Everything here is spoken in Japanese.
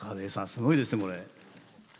すごいですねこれ。